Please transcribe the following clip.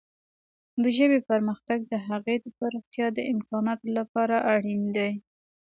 د ژبې پرمختګ د هغې د پراختیا د امکاناتو لپاره اړین دی.